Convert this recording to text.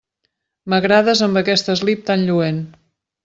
M'agrades amb aquest eslip tan lluent.